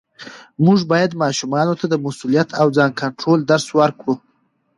موږ باید ماشومانو ته د مسؤلیت او ځان کنټرول درس ورکړو